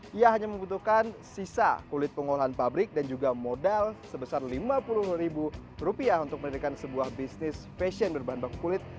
dia hanya membutuhkan sisa kulit pengolahan pabrik dan juga modal sebesar lima puluh ribu rupiah untuk mendirikan sebuah bisnis fashion berbahan baku kulit